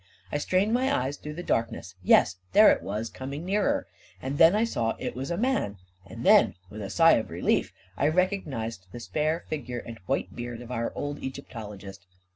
I strained my eyes through the darkness — yes, there it was, coming nearer ; and then I saw it was a man; and then, with a sigh of relief, I recog nized the spare figure and white beard of our old Egyptologist.